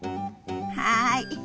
はい！